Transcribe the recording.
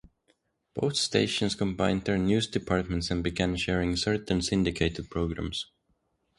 Both stations combined their news departments and began sharing certain syndicated programs.